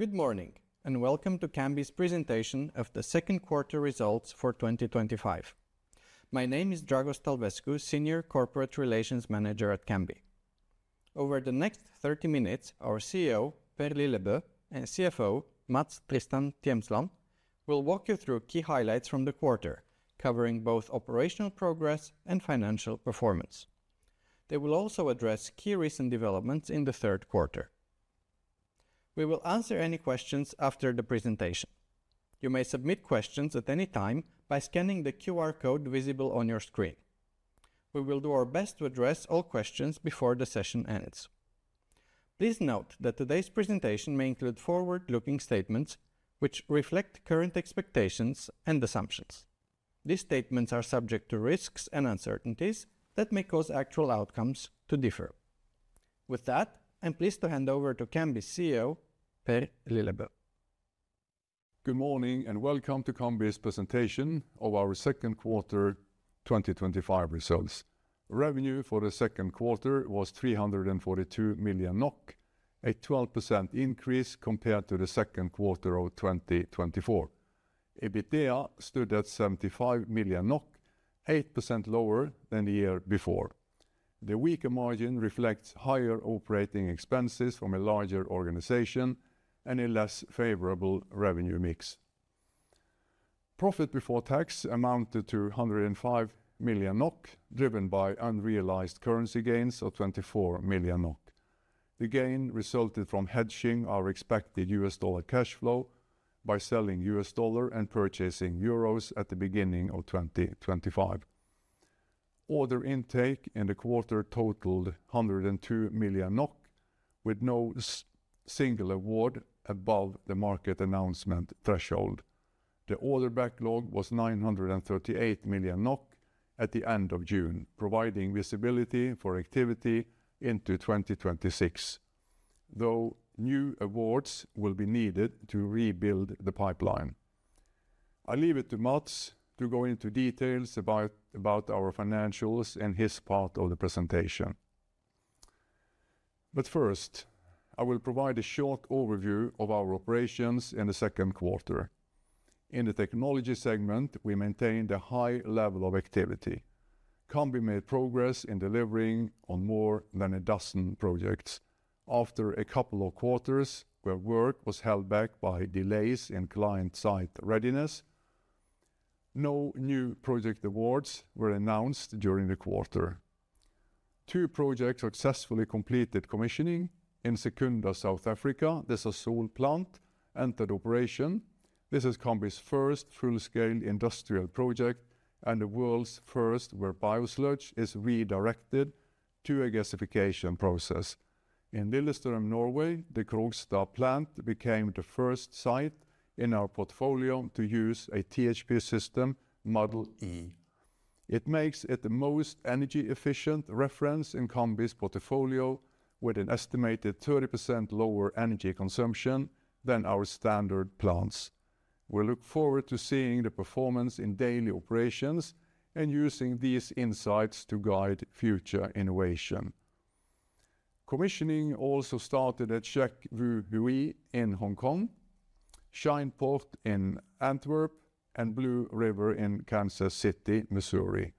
Good morning, and welcome to Cambi's Presentation of the Second Quarter Results for 2025. My name is Dragos Talvescu, Senior Corporate Relations Manager at Cambi. Over the next 30 minutes, our CEO, Per Lillebø, and CFO, Mats Tristan Tjemsland, will walk you through key highlights from the quarter, covering both operational progress and financial performance. They will also address key recent developments in the third quarter. We will answer any questions after the presentation. You may submit questions at any time by scanning the QR code visible on your screen. We will do our best to address all questions before the session ends. Please note that today's presentation may include forward-looking statements, which reflect current expectations and assumptions. These statements are subject to risks and uncertainties that may cause actual outcomes to differ. With that, I am pleased to hand over to Cambi's CEO, Per Lillebø. Good morning and welcome to Cambi's Presentation of our Second Quarter 2025 Results. Revenue for the second quarter was 342 million NOK, a 12% increase compared to the second quarter of 2024. EBITDA stood at 75 million NOK, 8% lower than the year before. The weaker margin reflects higher operating expenses from a larger organization and a less favorable revenue mix. Profit before tax amounted to 105 million NOK, driven by unrealized currency gains of 24 million NOK. The gain resulted from hedging our expected US dollar cash flow by selling US dollars and purchasing euros at the beginning of 2025. Order intake in the quarter totaled 102 million NOK, with no single award above the market announcement threshold. The order backlog was 938 million NOK at the end of June, providing visibility for activity into 2026, though new awards will be needed to rebuild the pipeline. I leave it to Mats to go into details about our financials in his part of the presentation. First, I will provide a short overview of our operations in the second quarter. In the technology segment, we maintained a high level of activity. Cambi made progress in delivering on more than a dozen projects. After a couple of quarters where work was held back by delays in client site readiness, no new project awards were announced during the quarter. Two projects successfully completed commissioning: in Sasol, South Africa, the Sasol plant entered operation. This is Cambi's first full-scale industrial project and the world's first where biosludge is redirected to a gasification process. In Lillestrøm, Norway, the Krogstad plant became the first site in our portfolio to use a THP system Model E. It makes it the most energy-efficient reference in Cambi's portfolio, with an estimated 30% lower energy consumption than our standard plants. We look forward to seeing the performance in daily operations and using these insights to guide future innovation. Commissioning also started at Shek Wu Hui in Hong Kong, Schijnpoort in Antwerp, and Blue River in Kansas City, Missouri.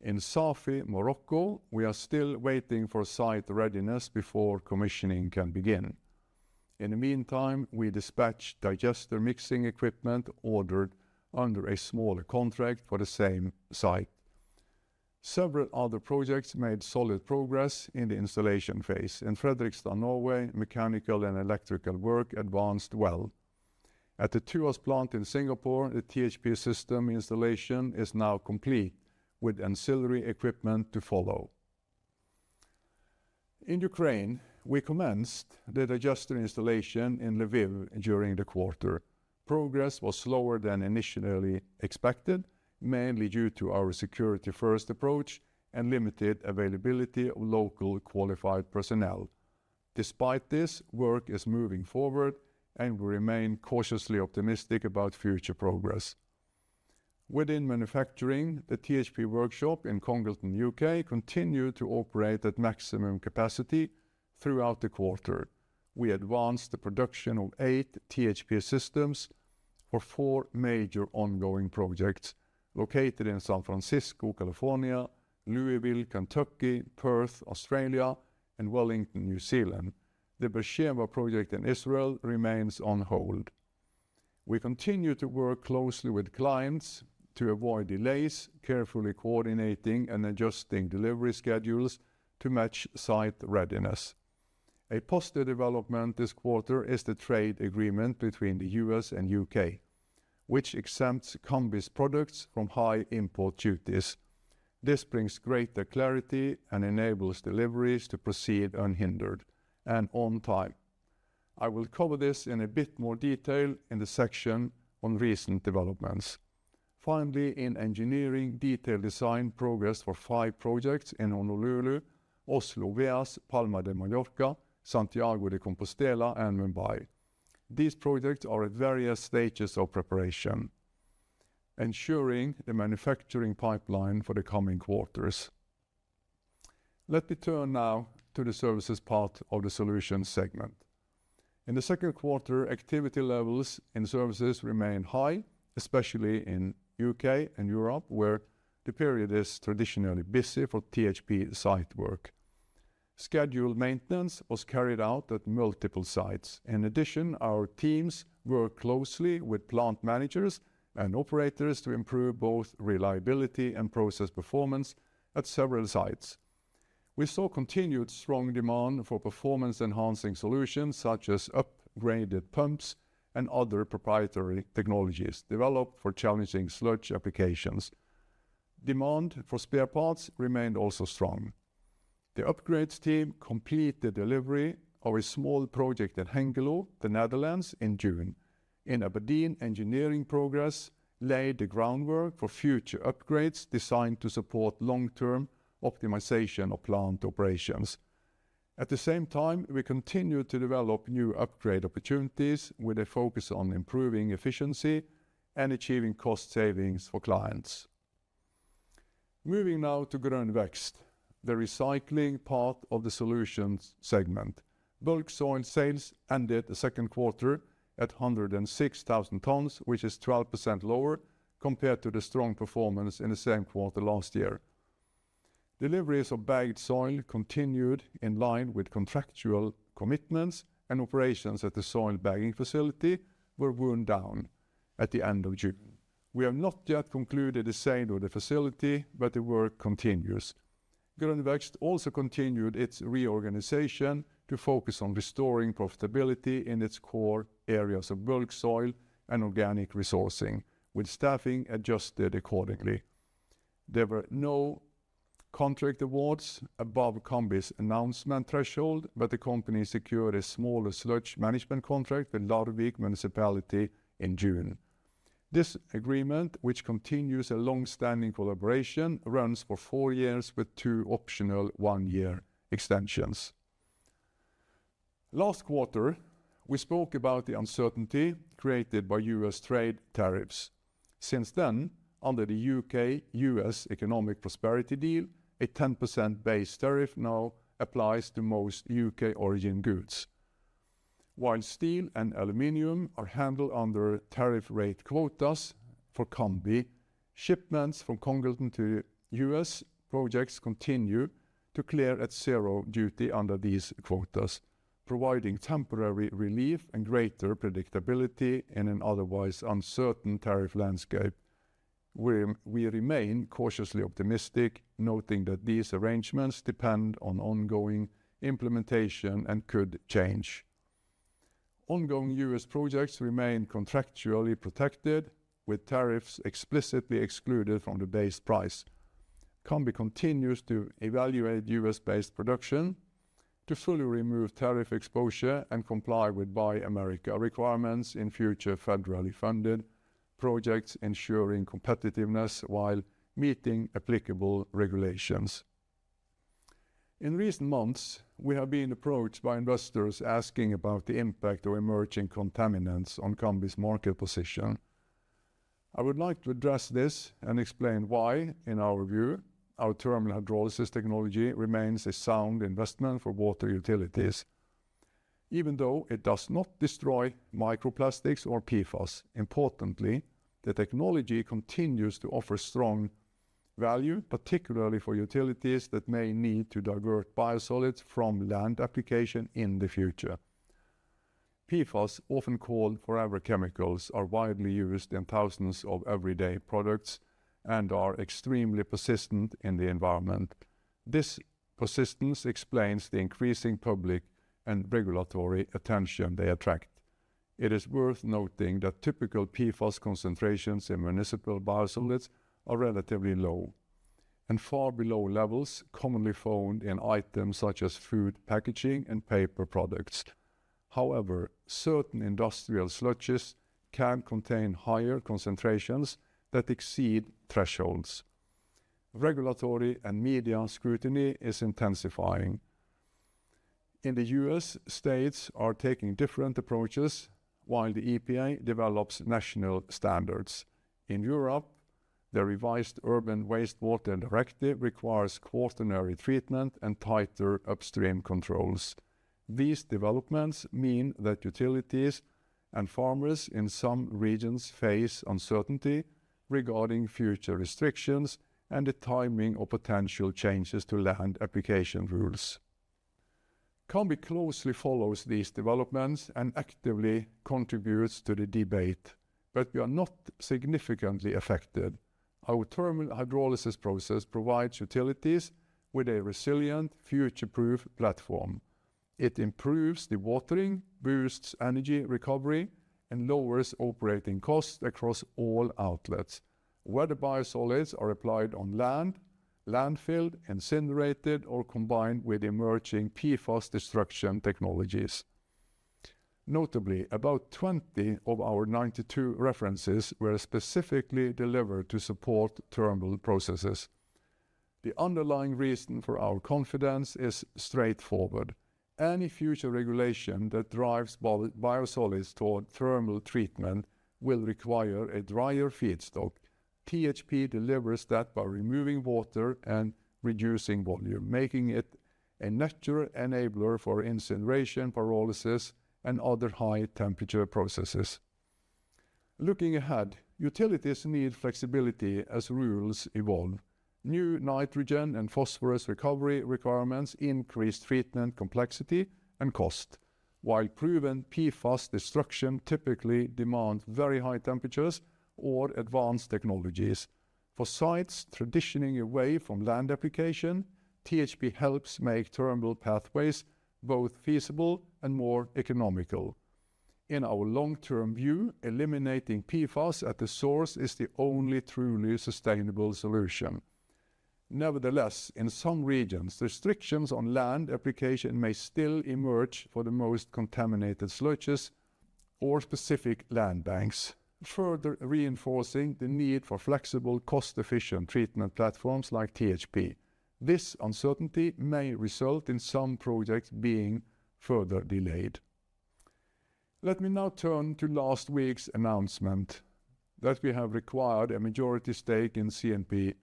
In Safi, Morocco, we are still waiting for site readiness before commissioning can begin. In the meantime, we dispatched digester mixing equipment ordered under a smaller contract for the same site. Several other projects made solid progress in the installation phase. In Fredrikstad, Norway, mechanical and electrical work advanced well. At the Tuas plant in Singapore, the THP system installation is now complete, with ancillary equipment to follow. In Ukraine, we commenced the digester installation in Lviv during the quarter. Progress was slower than initially expected, mainly due to our security-first approach and limited availability of local qualified personnel. Despite this, work is moving forward, and we remain cautiously optimistic about future progress. Within manufacturing, the THP workshop in Congleton, UK, continued to operate at maximum capacity throughout the quarter. We advanced the production of eight THP systems for four major ongoing projects located in San Francisco, California, Louisville, Kentucky, Perth, Australia, and Wellington, New Zealand. The Be'er Sheva project in Israel remains on hold. We continue to work closely with clients to avoid delays, carefully coordinating and adjusting delivery schedules to match site readiness. A positive development this quarter is the trade agreement between the U.S. and UK, which exempts Cambi's products from high import duties. This brings greater clarity and enables deliveries to proceed unhindered and on time. I will cover this in a bit more detail in the section on recent developments. Finally, in engineering, detailed design progress for five projects in Honolulu, Oslo-VEAS, Palma de Mallorca, Santiago de Compostela, and Mumbai. These projects are at various stages of preparation, ensuring the manufacturing pipeline for the coming quarters. Let me turn now to the services part of the solutions segment. In the second quarter, activity levels in services remain high, especially in the UK and Europe, where the period is traditionally busy for THP site work. Scheduled maintenance was carried out at multiple sites. In addition, our teams worked closely with plant managers and operators to improve both reliability and process performance at several sites. We saw continued strong demand for performance-enhancing solutions such as upgraded pumps and other proprietary technologies developed for challenging sludge applications. Demand for spare parts remained also strong. The upgrades team completed the delivery of a small project in Hengelo, the Netherlands, in June. In Aberdeen, engineering progress laid the groundwork for future upgrades designed to support long-term optimization of plant operations. At the same time, we continue to develop new upgrade opportunities with a focus on improving efficiency and achieving cost savings for clients. Moving now to Grønn Vekst, the recycling part of the solutions segment. Bulk soil sales ended the second quarter at 106,000 tonnes, which is 12% lower compared to the strong performance in the same quarter last year. Deliveries of bagged soil continued in line with contractual commitments, and operations at the soil bagging facility were wound down at the end of June. We have not yet concluded the sale of the facility, but the work continues. Grønn Vekst also continued its reorganization to focus on restoring profitability in its core areas of bulk soil and organic resourcing, with staffing adjusted accordingly. There were no contract awards above Cambi's announcement threshold, but the company secured a smaller sludge management contract with Larvik Municipality in June. This agreement, which continues a long-standing collaboration, runs for four years with two optional one-year extensions. Last quarter, we spoke about the uncertainty created by U.S. trade tariffs. Since then, under the UK-U.S. Economic Prosperity Deal, a 10% base tariff now applies to most UK-origin goods. While steel and aluminum are handled under tariff rate quotas for Cambi, shipments from Congleton to U.S. projects continue to clear at zero duty under these quotas, providing temporary relief and greater predictability in an otherwise uncertain tariff landscape. We remain cautiously optimistic, noting that these arrangements depend on ongoing implementation and could change. Ongoing U.S. projects remain contractually protected, with tariffs explicitly excluded from the base price. Cambi continues to evaluate U.S.-based production to fully remove tariff exposure and comply with Buy America requirements in future federally funded projects, ensuring competitiveness while meeting applicable regulations. In recent months, we have been approached by investors asking about the impact of emerging contaminants on Cambi's market position. I would like to address this and explain why, in our view, our thermal hydrolysis technology remains a sound investment for water utilities, even though it does not destroy microplastics or PFAS. Importantly, the technology continues to offer strong value, particularly for utilities that may need to divert biosolids from land application in the future. PFAS, often called forever chemicals, are widely used in thousands of everyday products and are extremely persistent in the environment. This persistence explains the increasing public and regulatory attention they attract. It is worth noting that typical PFAS concentrations in municipal biosolids are relatively low and far below levels commonly found in items such as food packaging and paper products. However, certain industrial sludges can contain higher concentrations that exceed thresholds. Regulatory and media scrutiny is intensifying. In the U.S., states are taking different approaches, while the EPA develops national standards. In Europe, the revised Urban Wastewater Directive requires quaternary treatment and tighter upstream controls. These developments mean that utilities and farmers in some regions face uncertainty regarding future restrictions and the timing of potential changes to land application rules. Cambi closely follows these developments and actively contributes to the debate, but we are not significantly affected. Our Thermal Hydrolysis Process provides utilities with a resilient, future-proof platform. It improves dewatering, boosts energy recovery, and lowers operating costs across all outlets, whether biosolids are applied on land, landfilled, incinerated, or combined with emerging PFAS destruction technologies. Notably, about 20 of our 92 references were specifically delivered to support thermal processes. The underlying reason for our confidence is straightforward. Any future regulation that drives biosolids toward thermal treatment will require a drier feedstock. THP delivers that by removing water and reducing volume, making it a natural enabler for incineration, pyrolysis, and other high-temperature processes. Looking ahead, utilities need flexibility as rules evolve. New nitrogen and phosphorus recovery requirements increase treatment complexity and cost, while proven PFAS destruction typically demands very high temperatures or advanced technologies. For sites traditionally away from land application, THP helps make thermal pathways both feasible and more economical. In our long-term view, eliminating PFAS at the source is the only truly sustainable solution. Nevertheless, in some regions, restrictions on land application may still emerge for the most contaminated sludges or specific land banks, further reinforcing the need for flexible, cost-efficient treatment platforms like THP. This uncertainty may result in some projects being further delayed. Let me now turn to last week's announcement that we have acquired a majority stake in CNP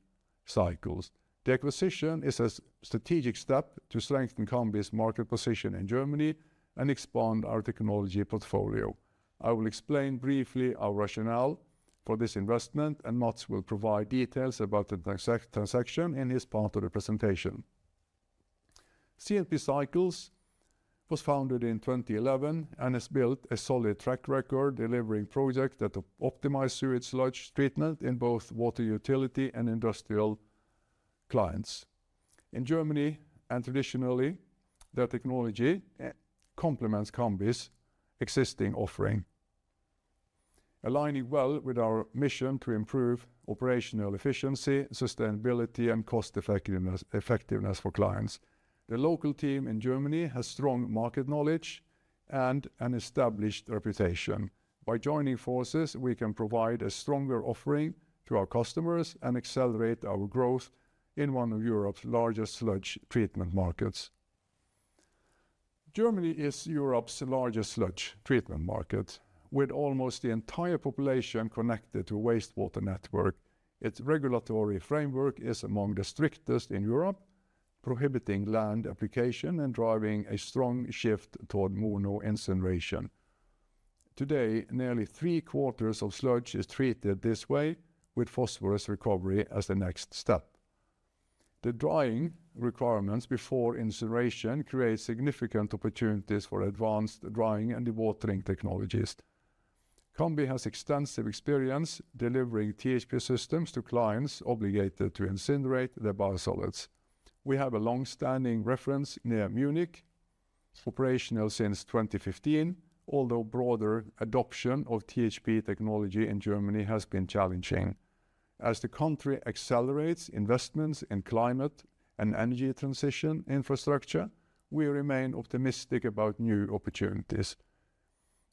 Cycles. The acquisition is a strategic step to strengthen Cambi's market position in Germany and expand our technology portfolio. I will explain briefly our rationale for this investment, and Mats will provide details about the transaction in his part of the presentation. CNP Cycles was founded in 2011 and has built a solid track record delivering projects that optimize sewage sludge treatment in both water utility and industrial clients. In Germany, and traditionally, their technology complements Cambi's existing offering, aligning well with our mission to improve operational efficiency, sustainability, and cost-effectiveness for clients. The local team in Germany has strong market knowledge and an established reputation. By joining forces, we can provide a stronger offering to our customers and accelerate our growth in one of Europe's largest sludge treatment markets. Germany is Europe's largest sludge treatment market, with almost the entire population connected to a wastewater network. Its regulatory framework is among the strictest in Europe, prohibiting land application and driving a strong shift toward monoincineration. Today, nearly three quarters of sludge is treated this way, with phosphorus recovery as the next step. The drying requirements before incineration create significant opportunities for advanced drying and dewatering technologies. Cambi has extensive experience delivering THP systems to clients obligated to incinerate their biosolids. We have a long-standing reference near Munich, operational since 2015, although broader adoption of THP technology in Germany has been challenging. As the country accelerates investments in climate and energy transition infrastructure, we remain optimistic about new opportunities.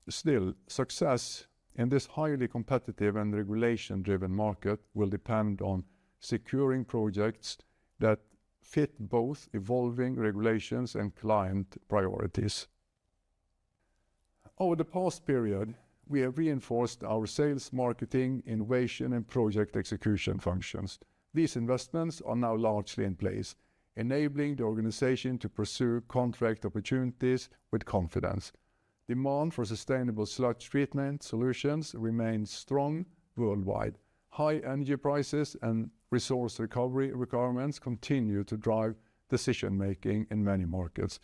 Still, success in this highly competitive and regulation-driven market will depend on securing projects that fit both evolving regulations and client priorities. Over the past period, we have reinforced our sales, marketing, innovation, and project execution functions. These investments are now largely in place, enabling the organization to pursue contract opportunities with confidence. Demand for sustainable sludge treatment solutions remains strong worldwide. High energy prices and resource recovery requirements continue to drive decision-making in many markets.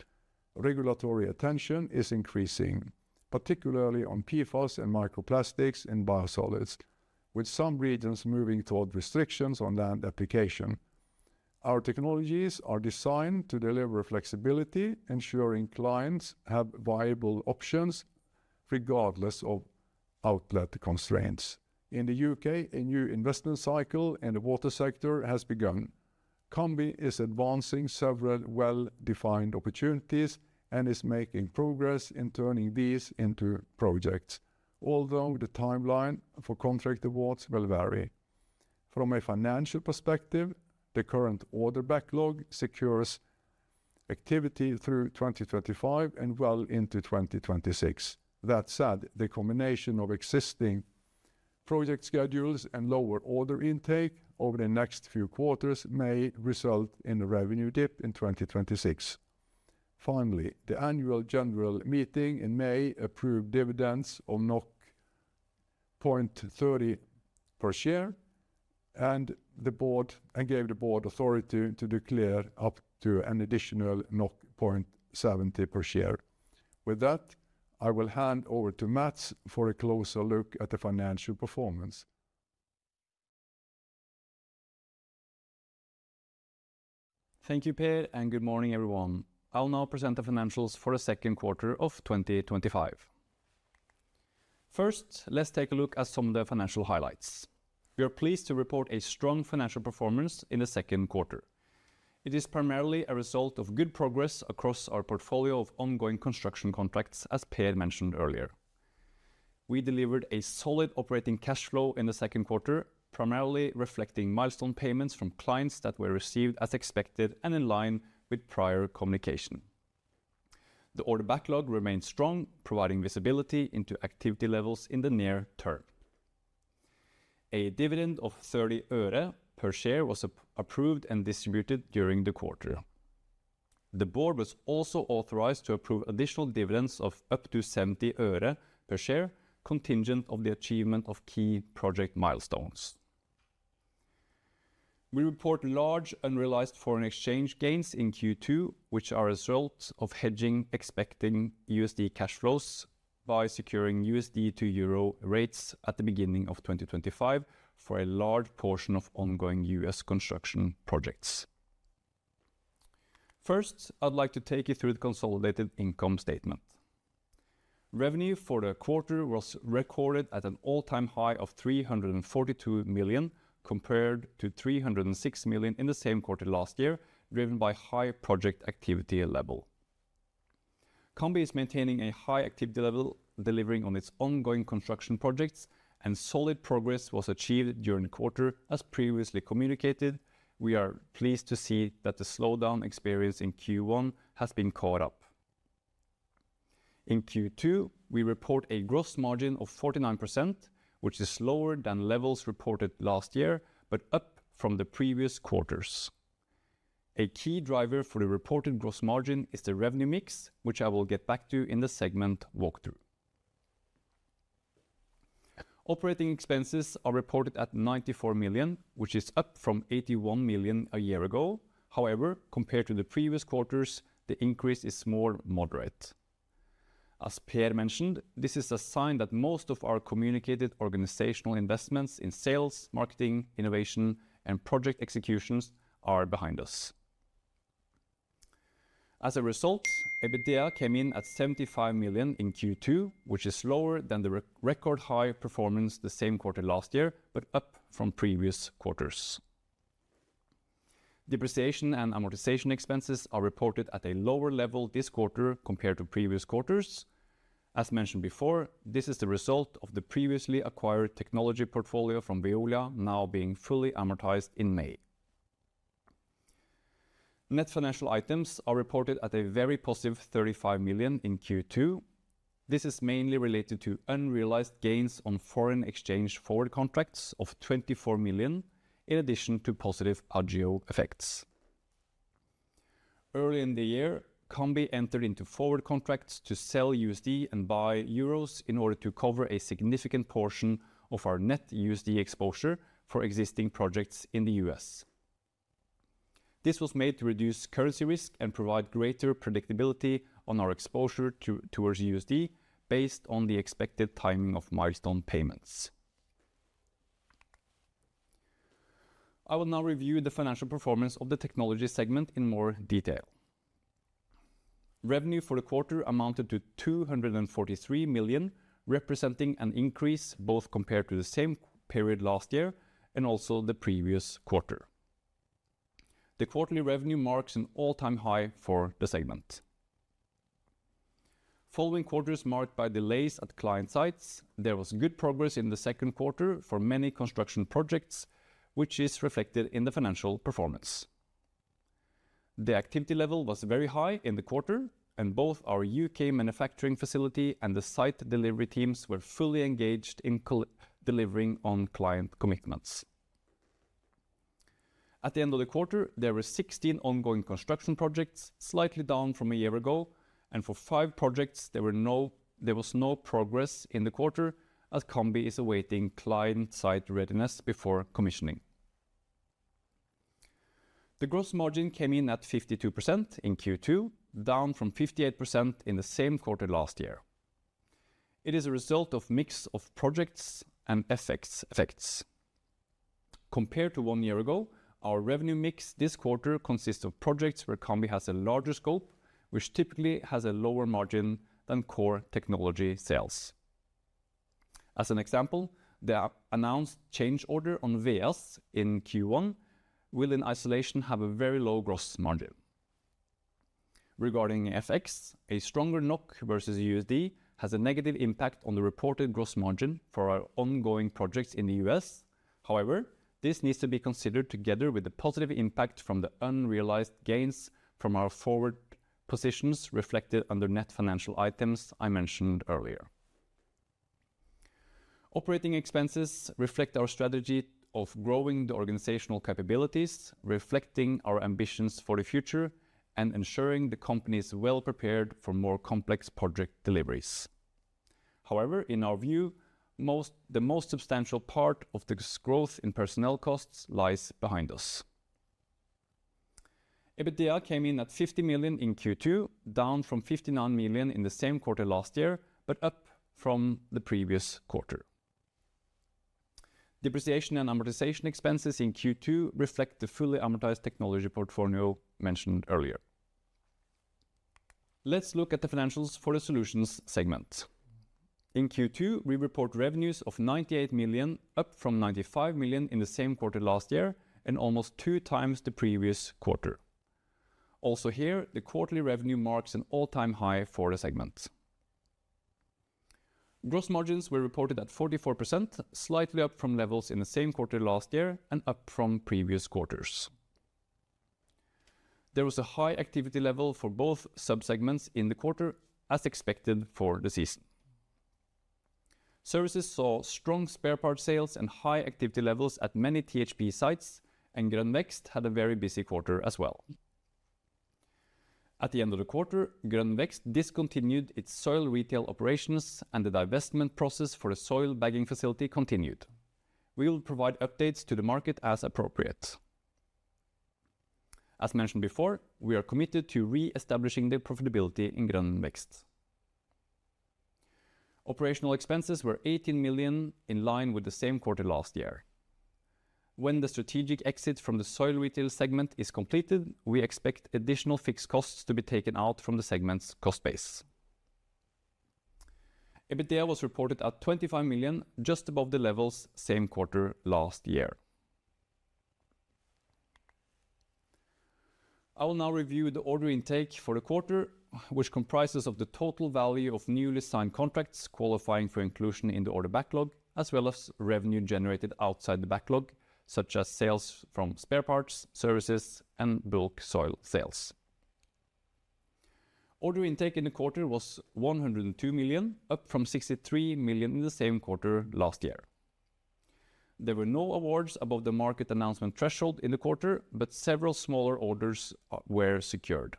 Regulatory attention is increasing, particularly on PFAS and microplastics in biosolids, with some regions moving toward restrictions on land application. Our technologies are designed to deliver flexibility, ensuring clients have viable options regardless of outlet constraints. In the UK, a new investment cycle in the water sector has begun. Cambi is advancing several well-defined opportunities and is making progress in turning these into projects, although the timeline for contract awards will vary. From a financial perspective, the current order backlog secures activity through 2025 and well into 2026. That said, the combination of existing project schedules and lower order intake over the next few quarters may result in a revenue dip in 2026. Finally, the annual general meeting in May approved dividends of 0.30 per share, and the board gave the board authority to declare up to an additional 0.70 per share. With that, I will hand over to Mats for a closer look at the financial performance. Thank you, Per, and good morning, everyone. I'll now present the financials for the second quarter of 2025. First, let's take a look at some of the financial highlights. We are pleased to report a strong financial performance in the second quarter. It is primarily a result of good progress across our portfolio of ongoing construction contracts, as Per mentioned earlier. We delivered a solid operating cash flow in the second quarter, primarily reflecting milestone payments from clients that were received as expected and in line with prior communication. The order backlog remains strong, providing visibility into activity levels in the near term. A dividend of NOK 30 per share was approved and distributed during the quarter. The board was also authorized to approve additional dividends of up to NOK 70 per share, contingent on the achievement of key project milestones. We report large unrealized foreign exchange gains in Q2, which are a result of hedging expected USD cash flows by securing USD to euro rates at the beginning of 2025 for a large portion of ongoing U.S. construction projects. First, I'd like to take you through the consolidated income statement. Revenue for the quarter was recorded at an all-time high of 342 million, compared to 306 million in the same quarter last year, driven by high project activity level. Cambi is maintaining a high activity level, delivering on its ongoing construction projects, and solid progress was achieved during the quarter. As previously communicated, we are pleased to see that the slowdown experienced in Q1 has been caught up. In Q2, we report a gross margin of 49%, which is lower than levels reported last year, but up from the previous quarters. A key driver for the reported gross margin is the revenue mix, which I will get back to in the segment walkthrough. Operating expenses are reported at 94 million, which is up from 81 million a year ago. However, compared to the previous quarters, the increase is more moderate. As Per mentioned, this is a sign that most of our communicated organizational investments in sales, marketing, innovation, and project executions are behind us. As a result, EBITDA came in at 75 million in Q2, which is lower than the record high performance the same quarter last year, but up from previous quarters. Depreciation and amortization expenses are reported at a lower level this quarter compared to previous quarters. As mentioned before, this is the result of the previously acquired technology portfolio from Veolia, now being fully amortized in May. Net financial items are reported at a very +35 million in Q2. This is mainly related to unrealized gains on foreign exchange forward contracts of 24 million, in addition to positive agio effects. Early in the year, Cambi entered into forward contracts to sell USD and buy euros in order to cover a significant portion of our net USD exposure for existing projects in the U.S. This was made to reduce currency risk and provide greater predictability on our exposure towards USD based on the expected timing of milestone payments. I will now review the financial performance of the technology segment in more detail. Revenue for the quarter amounted to 243 million, representing an increase both compared to the same period last year and also the previous quarter. The quarterly revenue marks an all-time high for the segment. Following quarters marked by delays at client sites, there was good progress in the second quarter for many construction projects, which is reflected in the financial performance. The activity level was very high in the quarter, and both our UK manufacturing facility and the site delivery teams were fully engaged in delivering on client commitments. At the end of the quarter, there were 16 ongoing construction projects, slightly down from a year ago, and for five projects, there was no progress in the quarter as Cambi is awaiting client site readiness before commissioning. The gross margin came in at 52% in Q2, down from 58% in the same quarter last year. It is a result of a mix of projects and effects. Compared to one year ago, our revenue mix this quarter consists of projects where Cambi has a larger scope, which typically has a lower margin than core technology sales. As an example, the announced change order on VEAS in Q1 will, in isolation, have a very low gross margin. Regarding FX, a stronger NOK versus USD has a negative impact on the reported gross margin for our ongoing projects in the U.S. However, this needs to be considered together with the positive impact from the unrealized gains from our forward positions reflected under net financial items I mentioned earlier. Operating expenses reflect our strategy of growing the organizational capabilities, reflecting our ambitions for the future, and ensuring the company is well prepared for more complex project deliveries. However, in our view, the most substantial part of the growth in personnel costs lies behind us. EBITDA came in at 50 million in Q2, down from 59 million in the same quarter last year, but up from the previous quarter. Depreciation and amortization expenses in Q2 reflect the fully amortized technology portfolio mentioned earlier. Let's look at the financials for the solutions segment. In Q2, we report revenues of 98 million, up from 95 million in the same quarter last year, and almost two times the previous quarter. Also here, the quarterly revenue marks an all-time high for the segment. Gross margins were reported at 44%, slightly up from levels in the same quarter last year and up from previous quarters. There was a high activity level for both subsegments in the quarter, as expected for the season. Services saw strong spare parts sales and high activity levels at many THP sites, and Grønn Vekst had a very busy quarter as well. At the end of the quarter, Grønn Vekst discontinued its soil retail operations, and the divestment process for the soil bagging facility continued. We will provide updates to the market as appropriate. As mentioned before, we are committed to reestablishing the profitability in Grønn Vekst. Operational expenses were 18 million, in line with the same quarter last year. When the strategic exit from the soil retail segment is completed, we expect additional fixed costs to be taken out from the segment's cost base. EBITDA was reported at 25 million, just above the levels same quarter last year. I will now review the order intake for the quarter, which comprises the total value of newly signed contracts qualifying for inclusion in the order backlog, as well as revenue generated outside the backlog, such as sales from spare parts, services, and bulk soil sales. Order intake in the quarter was 102 million, up from 63 million in the same quarter last year. There were no awards above the market announcement threshold in the quarter, but several smaller orders were secured.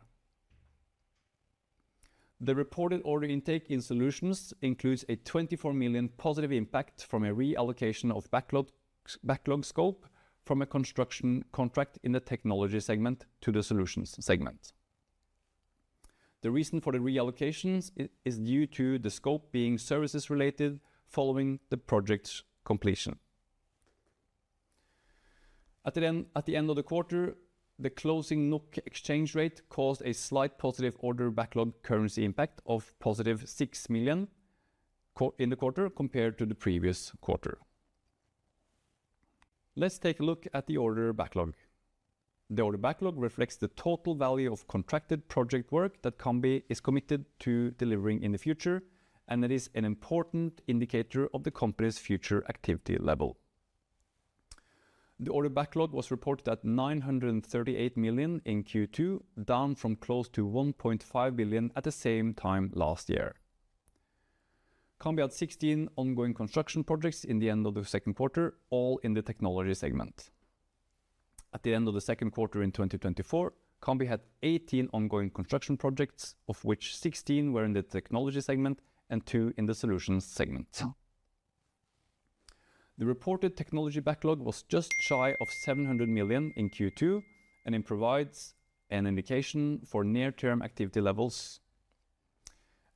The reported order intake in solutions includes a 24 million positive impact from a reallocation of backlog scope from a construction contract in the technology segment to the solutions segment. The reason for the reallocations is due to the scope being services related following the project's completion. At the end of the quarter, the closing NOK exchange rate caused a slight positive order backlog currency impact of +6 million in the quarter compared to the previous quarter. Let's take a look at the order backlog. The order backlog reflects the total value of contracted project work that Cambi is committed to delivering in the future, and it is an important indicator of the company's future activity level. The order backlog was reported at 938 million in Q2, down from close to 1.5 billion at the same time last year. Cambi had 16 ongoing construction projects in the end of the second quarter, all in the technology segment. At the end of the second quarter in 2024, Cambi had 18 ongoing construction projects, of which 16 were in the technology segment and two in the solutions segment. The reported technology backlog was just shy of 700 million in Q2, and it provides an indication for near-term activity levels.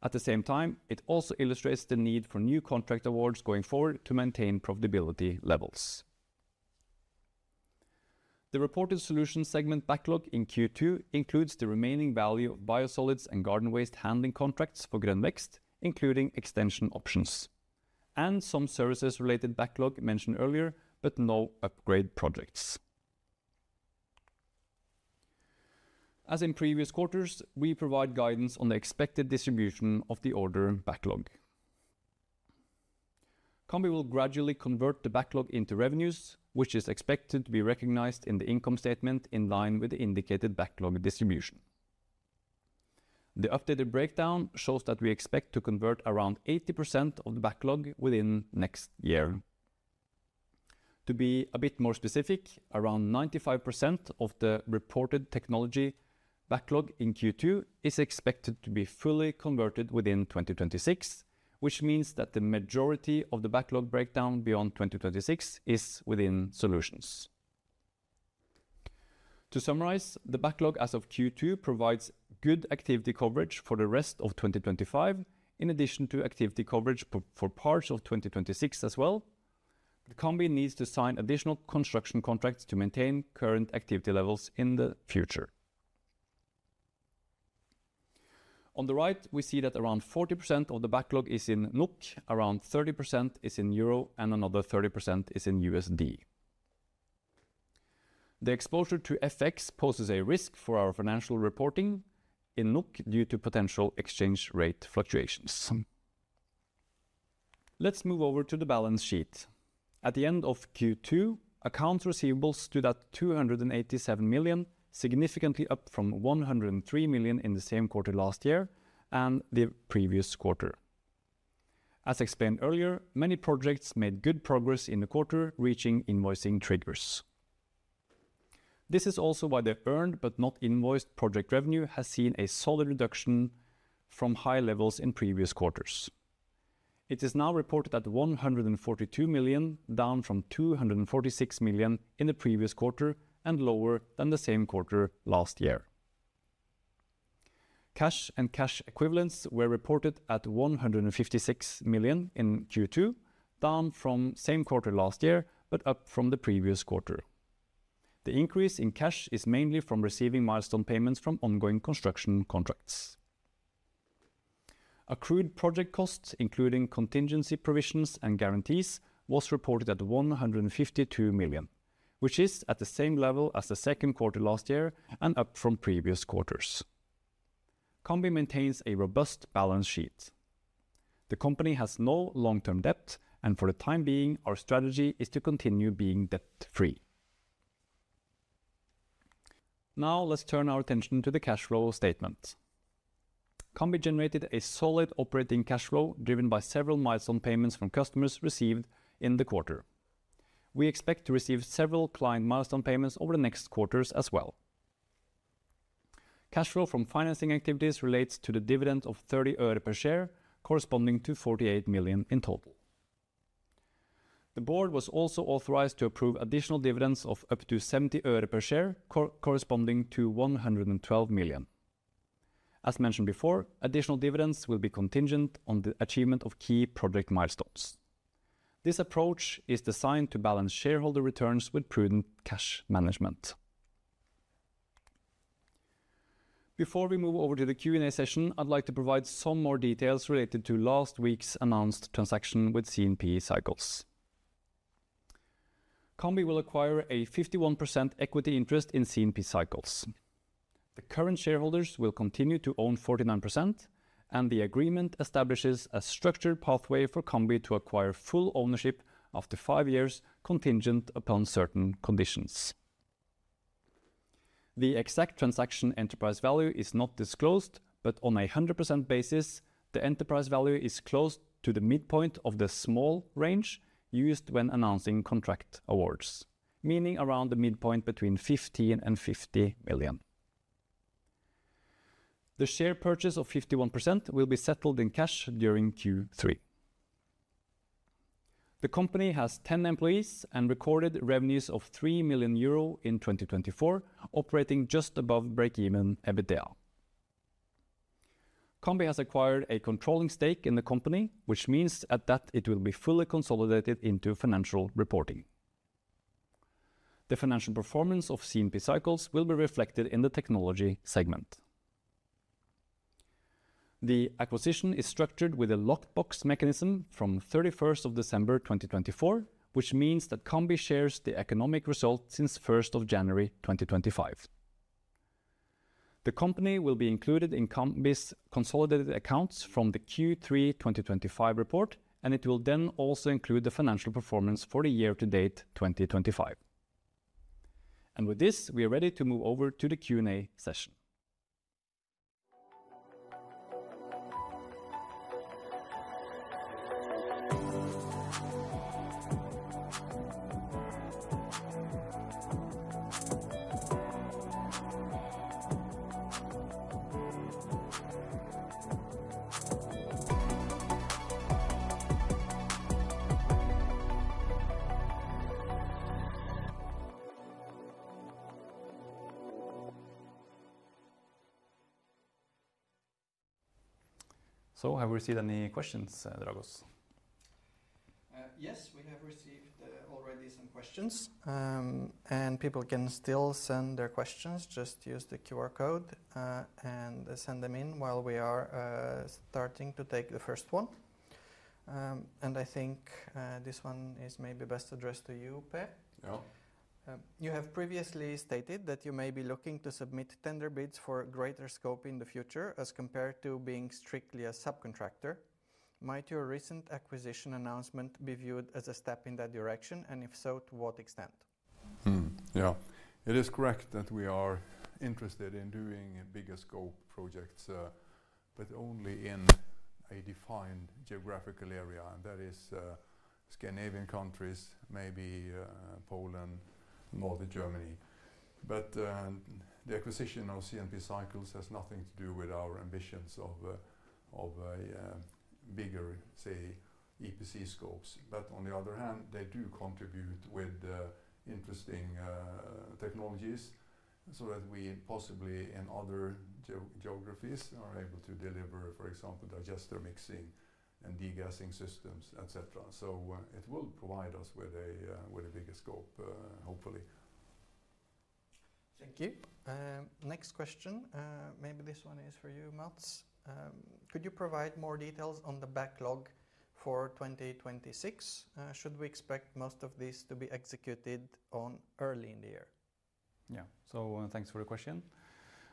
At the same time, it also illustrates the need for new contract awards going forward to maintain profitability levels. The reported solutions segment backlog in Q2 includes the remaining value of biosolids and garden waste handling contracts for Grønn Vekst, including extension options, and some services-related backlog mentioned earlier, but no upgrade projects. As in previous quarters, we provide guidance on the expected distribution of the order backlog. Cambi will gradually convert the backlog into revenues, which is expected to be recognized in the income statement in line with the indicated backlog distribution. The updated breakdown shows that we expect to convert around 80% of the backlog within next year. To be a bit more specific, around 95% of the reported technology backlog in Q2 is expected to be fully converted within 2026, which means that the majority of the backlog breakdown beyond 2026 is within solutions. To summarize, the backlog as of Q2 provides good activity coverage for the rest of 2025, in addition to activity coverage for parts of 2026 as well. Cambi needs to sign additional construction contracts to maintain current activity levels in the future. On the right, we see that around 40% of the backlog is in NOK, around 30% is in euro, and another 30% is in USD. The exposure to FX poses a risk for our financial reporting in NOK due to potential exchange rate fluctuations. Let's move over to the balance sheet. At the end of Q2, accounts receivables stood at 287 million, significantly up from 103 million in the same quarter last year and the previous quarter. As explained earlier, many projects made good progress in the quarter, reaching invoicing triggers. This is also why the earned but not invoiced project revenue has seen a solid reduction from high levels in previous quarters. It is now reported at 142 million, down from 246 million in the previous quarter and lower than the same quarter last year. Cash and cash equivalents were reported at 156 million in Q2, down from the same quarter last year but up from the previous quarter. The increase in cash is mainly from receiving milestone payments from ongoing construction contracts. Accrued project costs, including contingency provisions and guarantees, were reported at 152 million, which is at the same level as the second quarter last year and up from previous quarters. Cambi maintains a robust balance sheet. The company has no long-term debt, and for the time being, our strategy is to continue being debt-free. Now, let's turn our attention to the cash flow statement. Cambi generated a solid operating cash flow driven by several milestone payments from customers received in the quarter. We expect to receive several client milestone payments over the next quarters as well. Cash flow from financing activities relates to the dividends of NOK 3.0 per share, corresponding to 48 million in total. The board was also authorized to approve additional dividends of up to NOK 7.0 per share, corresponding to 112 million. As mentioned before, additional dividends will be contingent on the achievement of key project milestones. This approach is designed to balance shareholder returns with prudent cash management. Before we move over to the Q&A session, I'd like to provide some more details related to last week's announced transaction with CNP Cycles. Cambi will acquire a 51% equity interest in CNP Cycles. The current shareholders will continue to own 49%, and the agreement establishes a structured pathway for Cambi to acquire full ownership after five years, contingent upon certain conditions. The exact transaction enterprise value is not disclosed, but on a 100% basis, the enterprise value is close to the midpoint of the small range used when announcing contract awards, meaning around the midpoint between 15 million and 50 million. The share purchase of 51% will be settled in cash during Q3. The company has 10 employees and recorded revenues of 3 million euro in 2024, operating just above breakeven EBITDA. Cambi has acquired a controlling stake in the company, which means that it will be fully consolidated into financial reporting. The financial performance of CNP Cycles will be reflected in the technology segment. The acquisition is structured with a lockbox mechanism from December 31st, 2024, which means that Cambi shares the economic result since January 2025. The company will be included in Cambi's consolidated accounts from the Q3 2025 report, and it will then also include the financial performance for the year to date 2025. With this, we are ready to move over to the Q&A session. Have we received any questions, Dragos? Yes, we have received already some questions, and people can still send their questions. Just use the QR code and send them in while we are starting to take the first one. I think this one is maybe best addressed to you, Per. You have previously stated that you may be looking to submit tender bids for a greater scope in the future as compared to being strictly a subcontractor. Might your recent acquisition announcement be viewed as a step in that direction, and if so, to what extent? Yeah, it is correct that we are interested in doing bigger scope projects, but only in a defined geographical area, and that is Scandinavian countries, maybe Poland, more than Germany. The acquisition of CNP Cycles has nothing to do with our ambitions of bigger, say, EPC scopes. On the other hand, they do contribute with interesting technologies so that we possibly, in other geographies, are able to deliver, for example, digester mixing and degassing systems, etc. It will provide us with a bigger scope, hopefully. Thank you. Next question, maybe this one is for you, Mats. Could you provide more details on the backlog for 2026? Should we expect most of this to be executed early in the year? Thank you for the question.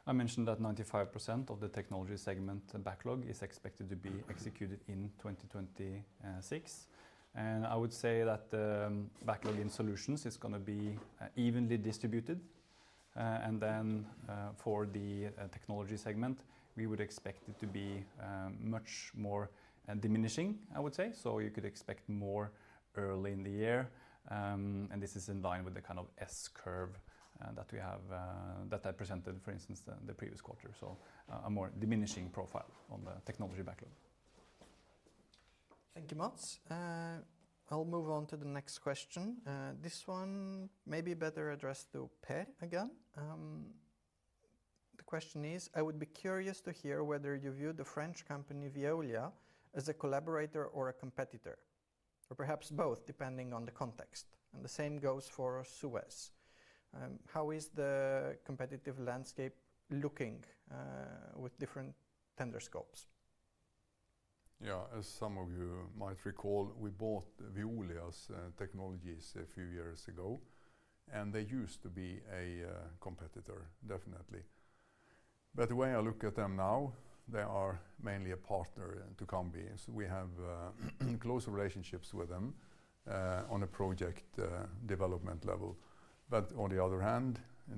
I mentioned that 95% of the technology segment backlog is expected to be executed in 2026. I would say that the backlog in solutions is going to be evenly distributed. For the technology segment, we would expect it to be much more diminishing, I would say. You could expect more early in the year. This is in line with the kind of S-curve that we have that I presented, for instance, in the previous quarter. A more diminishing profile on the technology backlog. Thank you, Mats. I'll move on to the next question. This one may be better addressed to Per again. The question is, I would be curious to hear whether you view the French company Veolia as a collaborator or a competitor, or perhaps both, depending on the context. The same goes for Suez. How is the competitive landscape looking with different tender scopes? Yeah, as some of you might recall, we bought Veolia's technologies a few years ago, and they used to be a competitor, definitely. The way I look at them now, they are mainly a partner to Cambi. We have close relationships with them on a project development level.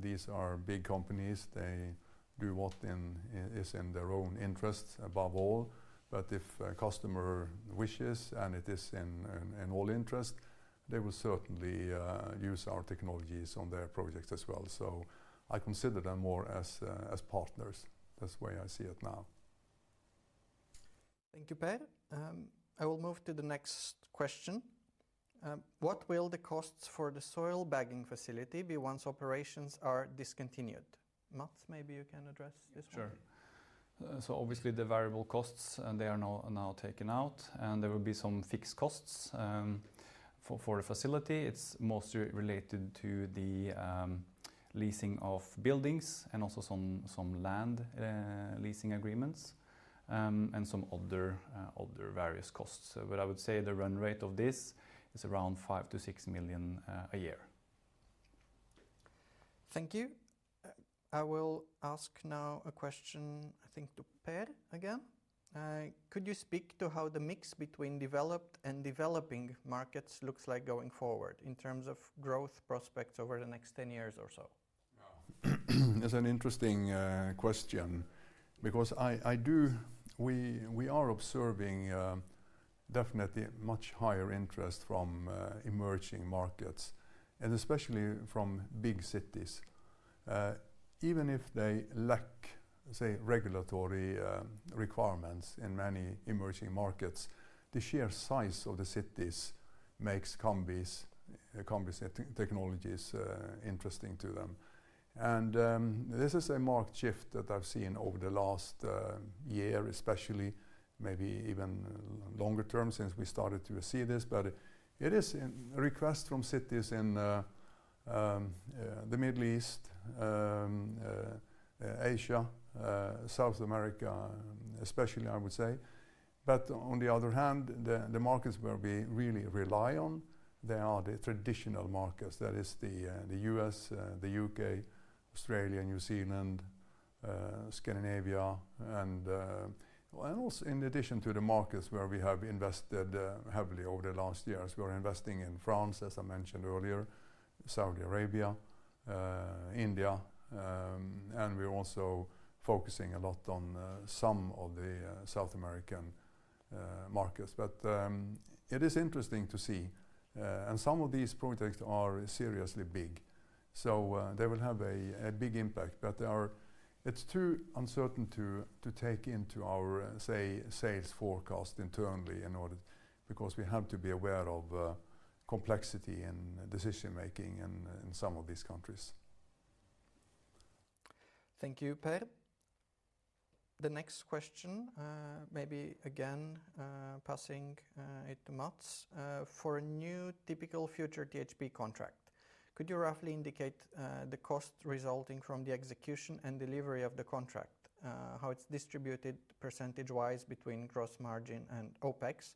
These are big companies. They do what is in their own interests above all. If a customer wishes and it is in all interest, they will certainly use our technologies on their projects as well. I consider them more as partners. That's the way I see it now. Thank you, Per. I will move to the next question. What will the costs for the soil bagging facility be once operations are discontinued? Mats, maybe you can address this. Sure. Obviously, the variable costs are now taken out, and there will be some fixed costs for the facility. It's mostly related to the leasing of buildings and also some land leasing agreements and some other various costs. I would say the run rate of this is around 5-6 million a year. Thank you. I will ask now a question, I think, to Per again. Could you speak to how the mix between developed and developing markets looks like going forward in terms of growth prospects over the next 10 years or so? That's an interesting question because we are observing definitely much higher interest from emerging markets and especially from big cities. Even if they lack, say, regulatory requirements in many emerging markets, the sheer size of the cities makes Cambi's technologies interesting to them. This is a marked shift that I've seen over the last year, especially maybe even longer term since we started to see this. It is a request from cities in the Middle East, Asia, South America, especially, I would say. On the other hand, the markets where we really rely on are the traditional markets. That is the U.S., the U.K., Australia, New Zealand, Scandinavia. In addition to the markets where we have invested heavily over the last years, we're investing in France, as I mentioned earlier, Saudi Arabia, India. We're also focusing a lot on some of the South American markets. It is interesting to see, and some of these projects are seriously big. They will have a big impact, but it's too uncertain to take into our, say, sales forecast internally because we have to be aware of complexity in decision-making in some of these countries. Thank you, Per. The next question, maybe again passing it to Mats. For a new typical future THP contract, could you roughly indicate the cost resulting from the execution and delivery of the contract, how it's distributed percentange wise between gross margin and OPEX,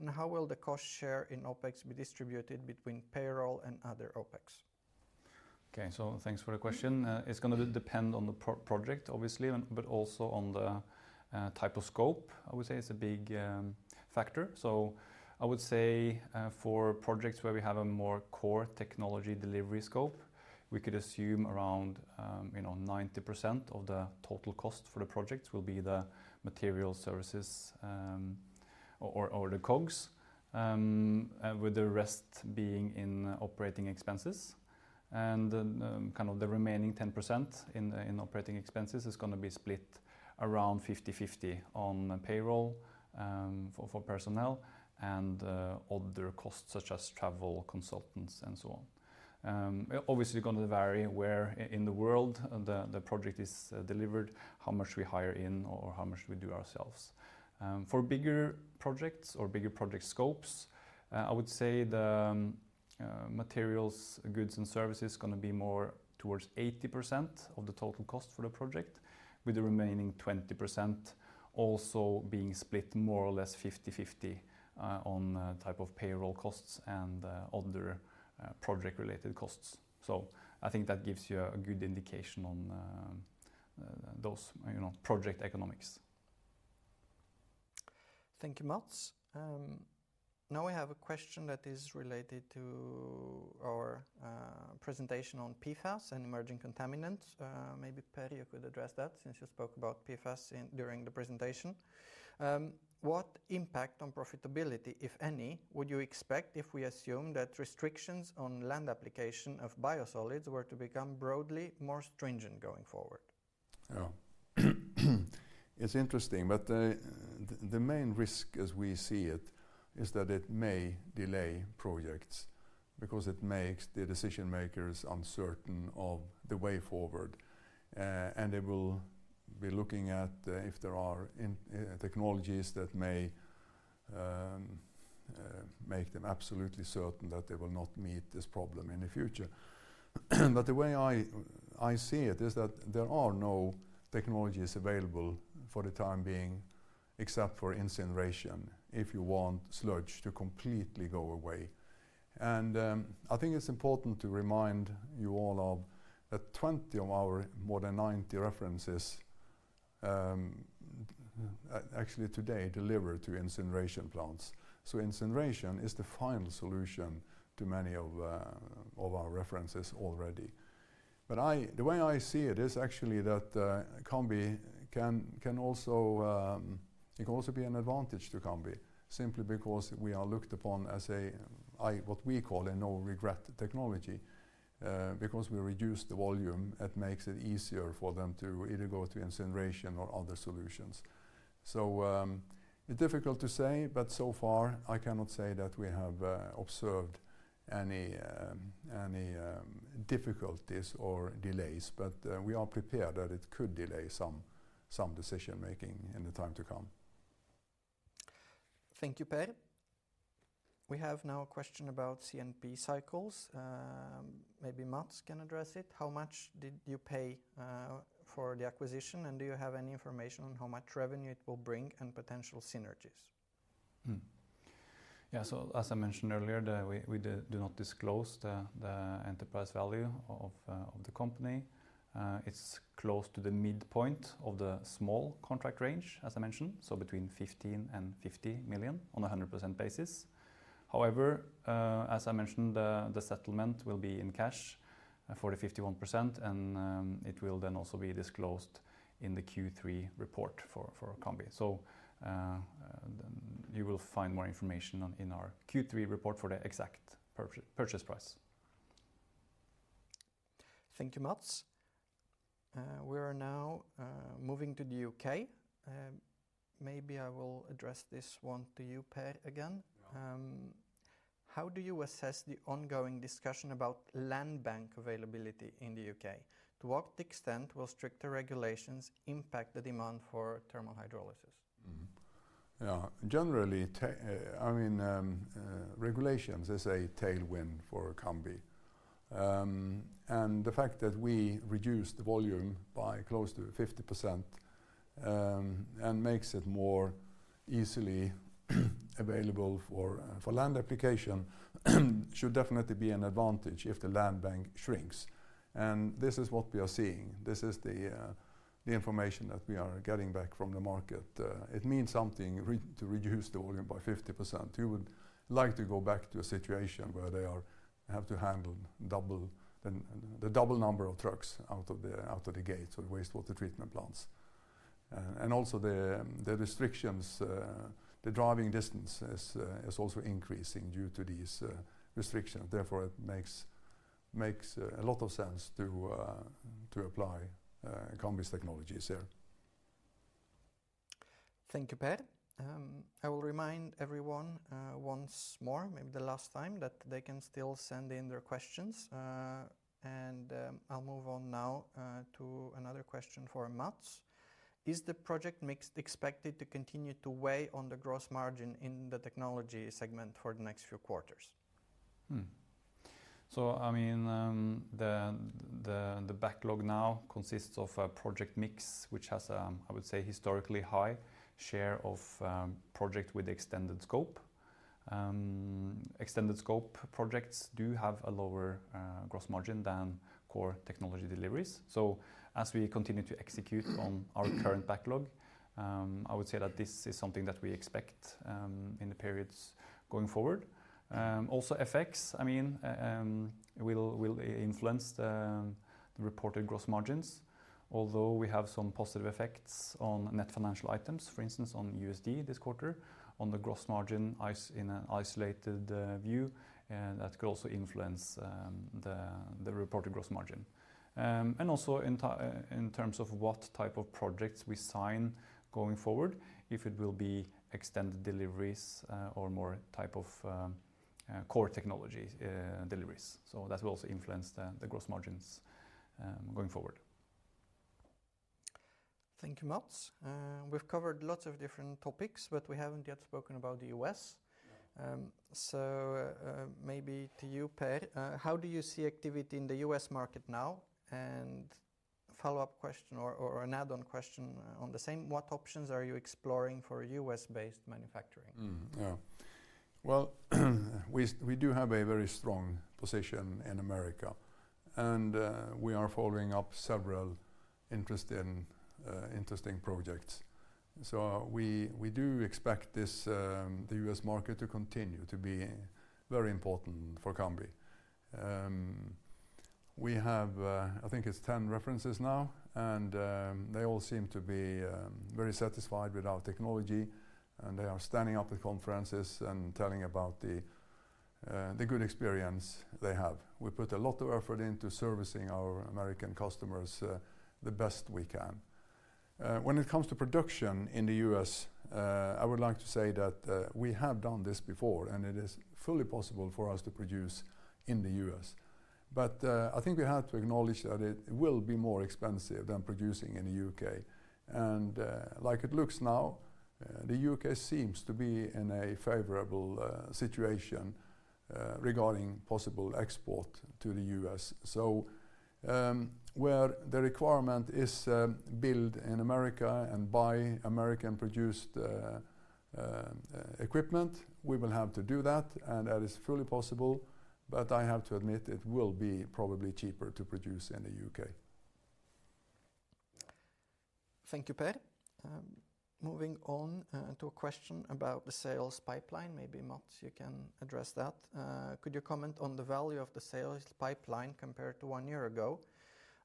and how will the cost share in OPEX be distributed between payroll and other OPEX? Okay, so thanks for the question. It's going to depend on the project, obviously, but also on the type of scope. I would say it's a big factor. I would say for projects where we have a more core technology delivery scope, we could assume around 90% of the total cost for the projects will be the material services or the COGs, with the rest being in operating expenses. The remaining 10% in operating expenses is going to be split around 50/50 on payroll for personnel and other costs such as travel, consultants, and so on. Obviously, it's going to vary where in the world the project is delivered, how much we hire in, or how much we do ourselves. For bigger projects or bigger project scopes, I would say the materials, goods, and services are going to be more towards 80% of the total cost for the project, with the remaining 20% also being split more or less 50/50 on the type of payroll costs and other project-related costs. I think that gives you a good indication on those project economics. Thank you, Mats. Now we have a question that is related to our presentation on PFAS and emerging contaminants. Maybe, Per, you could address that since you spoke about PFAS during the presentation. What impact on profitability, if any, would you expect if we assume that restrictions on land application of biosolids were to become broadly more stringent going forward? Yeah, it's interesting, but the main risk, as we see it, is that it may delay projects because it makes the decision-makers uncertain of the way forward. They will be looking at if there are technologies that may make them absolutely certain that they will not meet this problem in the future. The way I see it is that there are no technologies available for the time being, except for incineration, if you want sludge to completely go away. I think it's important to remind you all that 20 of our more than 90 references actually today deliver to incineration plants. Incineration is the final solution to many of our references already. The way I see it is actually that Cambi can also be an advantage to Cambi, simply because we are looked upon as a, what we call a no-regret technology. Because we reduce the volume, it makes it easier for them to either go to incineration or other solutions. It's difficult to say, but so far I cannot say that we have observed any difficulties or delays. We are prepared that it could delay some decision-making in the time to come. Thank you, Per. We have now a question about CNP Cycles. Maybe Mats can address it. How much did you pay for the acquisition, and do you have any information on how much revenue it will bring and potential synergies? As I mentioned earlier, we do not disclose the enterprise value of the company. It's close to the midpoint of the small contract range, as I mentioned, so between 15 million and 50 million on a 100% basis. However, as I mentioned, the settlement will be in cash for the 51%, and it will then also be disclosed in the Q3 report for Cambi. You will find more information in our Q3 report for the exact purchase price. Thank you, Mats. We are now moving to the U.K. Maybe I will address this one to you, Per, again. How do you assess the ongoing discussion about land bank availability in the U.K.? To what extent will stricter regulations impact the demand for thermal hydrolysis? Yeah, generally, I mean, regulations is a tailwind for Cambi. The fact that we reduced the volume by close to 50% and makes it more easily available for land application should definitely be an advantage if the land bank shrinks. This is what we are seeing. This is the information that we are getting back from the market. It means something to reduce the volume by 50%. You would like to go back to a situation where they have to handle the double number of trucks out of the gate to wastewater treatment plants. Also, the restrictions, the driving distance is also increasing due to these restrictions. Therefore, it makes a lot of sense to apply Cambi's technologies here. Thank you, Per. I will remind everyone once more, maybe the last time, that they can still send in their questions. I'll move on now to another question for Mats. Is the project mix expected to continue to weigh on the gross margin in the technology segment for the next few quarters? The backlog now consists of a project mix, which has, I would say, a historically high share of projects with extended scope. Extended scope projects do have a lower gross margin than core technology deliveries. As we continue to execute on our current backlog, I would say that this is something that we expect in the periods going forward. Also, FX will influence the reported gross margins, although we have some positive effects on net financial items, for instance, on USD this quarter. On the gross margin in an isolated view, that could also influence the reported gross margin. Also, in terms of what type of projects we sign going forward, if it will be extended deliveries or more type of core technology deliveries, that will also influence the gross margins going forward. Thank you, Mats. We've covered lots of different topics, but we haven't yet spoken about the U.S. Maybe to you, Per, how do you see activity in the U.S. market now? A follow-up question or an add-on question on the same, what options are you exploring for U.S.-based manufacturing? Yeah, we do have a very strong position in America, and we are following up several interesting projects. We do expect the U.S. market to continue to be very important for Cambi. We have, I think it's 10 references now, and they all seem to be very satisfied with our technology, and they are standing up at conferences and telling about the good experience they have. We put a lot of effort into servicing our American customers the best we can. When it comes to production in the U.S., I would like to say that we have done this before, and it is fully possible for us to produce in the U.S. I think we have to acknowledge that it will be more expensive than producing in the U.K. Like it looks now, the U.K. seems to be in a favorable situation regarding possible export to the U.S. Where the requirement is to build in America and buy American-produced equipment, we will have to do that, and that is fully possible. I have to admit it will be probably cheaper to produce in the U.K. Thank you, Per. Moving on to a question about the sales pipeline, maybe Mats, you can address that. Could you comment on the value of the sales pipeline compared to one year ago,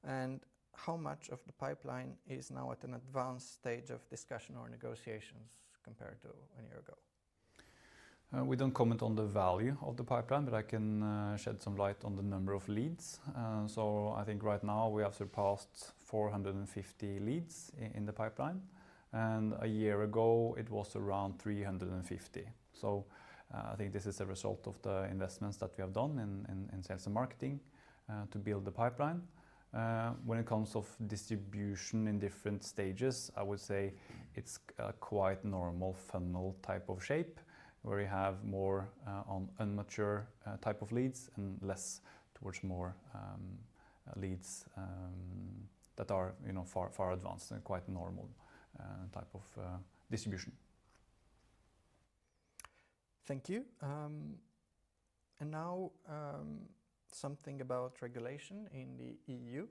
and how much of the pipeline is now at an advanced stage of discussion or negotiations compared to one year ago? We don't comment on the value of the pipeline, but I can shed some light on the number of leads. I think right now we have surpassed 450 leads in the pipeline, and a year ago it was around 350. I think this is a result of the investments that we have done in sales and marketing to build the pipeline. When it comes to distribution in different stages, I would say it's a quite normal funnel type of shape where we have more unmature type of leads and less towards more leads that are far advanced and quite normal type of distribution. Thank you. Now, something about regulation in the EU.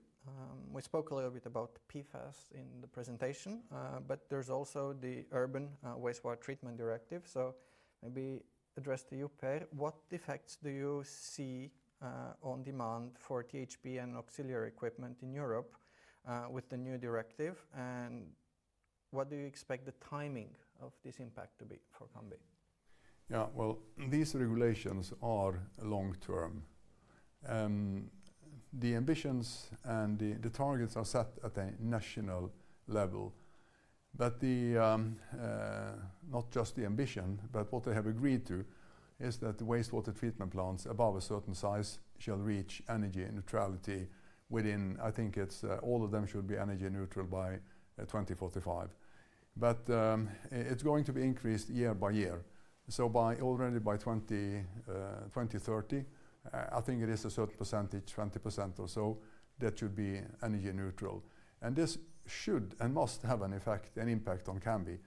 We spoke a little bit about PFAS in the presentation, but there's also the Urban Wastewater Directive. Maybe addressed to you, Per, what effects do you see on demand for THP and auxiliary equipment in Europe with the new directive, and what do you expect the timing of this impact to be for Cambi? Yeah, these regulations are long-term. The ambitions and the targets are set at a national level. Not just the ambition, but what they have agreed to is that the wastewater treatment plants above a certain size shall reach energy neutrality within, I think it's all of them should be energy neutral by 2045. It's going to be increased year by year. Already by 2030, I think it is a certain percentage, 20% or so, that should be energy neutral. This should and must have an effect, an impact on Cambi.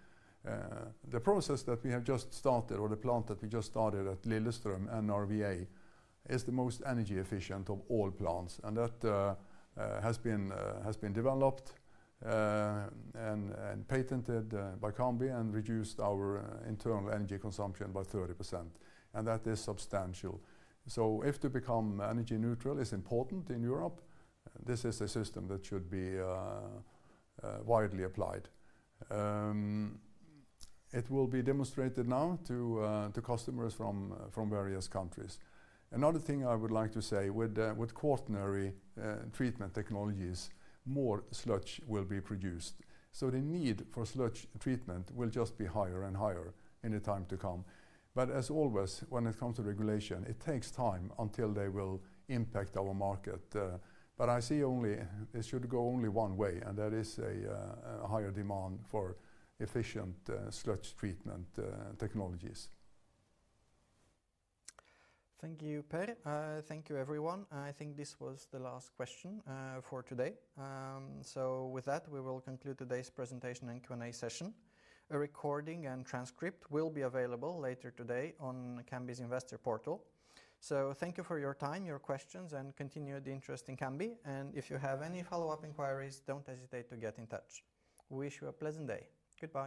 The process that we have just started, or the plant that we just started at Lillestrøm NRVA, is the most energy efficient of all plants. That has been developed and patented by Cambi and reduced our internal energy consumption by 30%. That is substantial. If to become energy neutral is important in Europe, this is a system that should be widely applied. It will be demonstrated now to customers from various countries. Another thing I would like to say, with quaternary treatment technologies, more sludge will be produced. The need for sludge treatment will just be higher and higher in the time to come. As always, when it comes to regulation, it takes time until they will impact our market. I see only it should go only one way, and that is a higher demand for efficient sludge treatment technologies. Thank you, Per. Thank you, everyone. I think this was the last question for today. With that, we will conclude today's presentation and Q&A session. A recording and transcript will be available later today on Cambi's investor portal. Thank you for your time, your questions, and continued interest in Cambi. If you have any follow-up inquiries, don't hesitate to get in touch. We wish you a pleasant day. Goodbye.